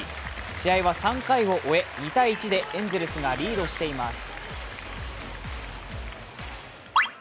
試合は３回を終え２−１でエンゼルスがリードしています。